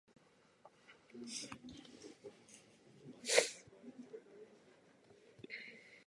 岩手県紫波町